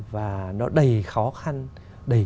và nó đầy khó khăn đầy